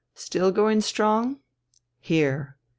"Still going strong? Here!"